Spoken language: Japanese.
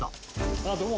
あ、どうも。